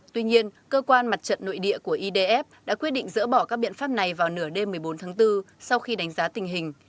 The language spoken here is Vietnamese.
tuy nhiên cơ quan mặt trận nội địa của idf đã quyết định dỡ bỏ các biện pháp này vào nửa đêm một mươi bốn tháng bốn sau khi đánh giá tình hình